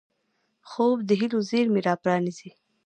خوب د هیلو زېرمې راپرانيزي